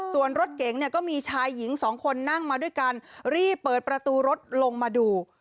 ส่วนรถเก๋งเนี่ยก็มีชายหญิงสองคนนั่งมาด้วยกันรีบเปิดประตูรถลงมาดู